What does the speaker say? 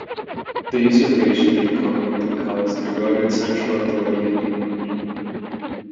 The usurpation and conflict it caused eroded central authority in England.